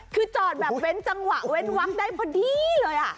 คือจอดไว้เว้นจังหวะได้พอดี้เลยอ่ะ